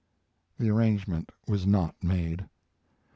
The arrangement was not made.